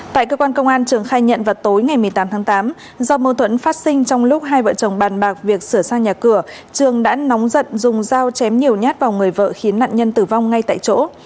tại cơ quan công an trường khai nhận vào tối ngày một mươi tám tháng tám do mâu thuẫn phát sinh trong lúc hai vợ chồng bàn bạc việc sửa sang nhà cửa trường đã nóng giận dùng dao chém nhiều nhát vào người vợ khiến nạn nhân tử vong ngay tại chỗ